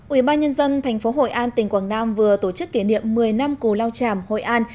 ủy ban nhân dân tp hội an tỉnh quảng nam vừa tổ chức kỷ niệm một mươi năm cù lao tràm hội an